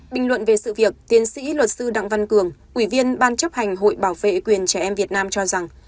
bình luận về sự việc tiến sĩ luật sư đặng văn cường ủy viên ban chấp hành hội bảo vệ quyền trẻ em việt nam cho rằng